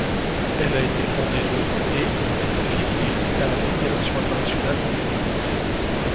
Elle a été fondée le et est affiliée à la Fédération internationale de judo.